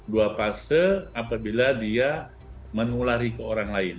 dua fase apabila dia menulari ke orang lain